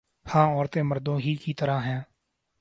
ہاں عورتیں مردوں ہی کی طرح ہیں